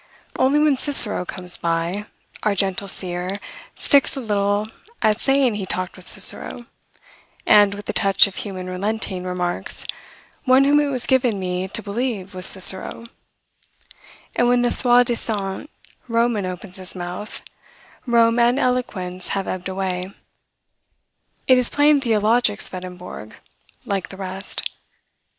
Only when Cicero comes by, our gentle seer sticks a little at saying he talked with Cicero, and, with a touch of human relenting, remarks, "one whom it was given me to believe was Cicero;" and when the soi disant Roman opens his mouth, Rome and eloquence have ebbed away, it is plain theologic Swedenborg, like the rest.